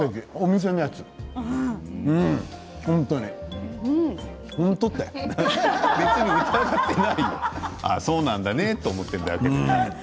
そうなんだなと思ってるだけで。